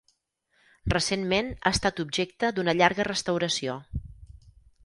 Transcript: Recentment ha estat objecte d'una llarga restauració.